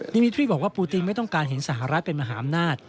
มิตรีบอกว่าปูตินไม่ต้องการเห็นสหรัฐเป็นมหาอำนาจ